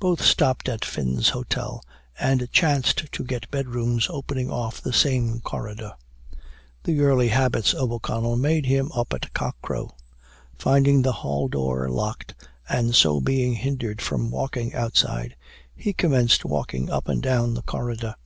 Both stopped at Finn's Hotel, and chanced to get bedrooms opening off the same corridor. The early habits of O'Connell made him be up at cock crow. Finding the hall door locked, and so being hindered from walking outside, he commenced walking up and down the corridor.